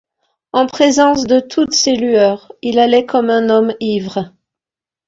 En présence de toutes ces lueurs, il allait comme un homme ivre.